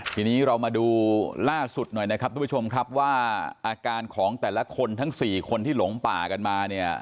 ทีนี้เรามาดูล่าสุดหน่อยนะครับทุกผู้ชมครับว่าอาการของแต่ละคนทั้ง๔คนที่หลงป่ากันมาเนี่ย